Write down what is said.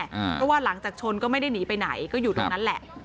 เพราะว่าหลังจากชนก็ไม่ได้หนีไปไหนก็อยู่ตรงนั้นแหละ